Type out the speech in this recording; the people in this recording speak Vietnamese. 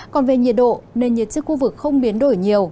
còn về nhiệt độ nền nhiệt trên khu vực không biến đổi nhiều